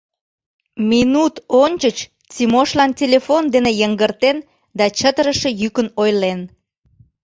Минут ончыч Тимошлан телефон дене йыҥгыртен да чытырыше йӱкын ойлен: